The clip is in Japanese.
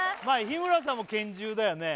日村さんも拳銃だよね